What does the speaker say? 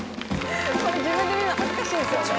これ自分で見るの恥ずかしいですよね。